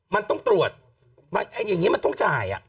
มันต้องตรวจอย่างนี้มันต้องจ่าย